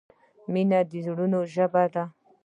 مینه د زړه ژبه ده.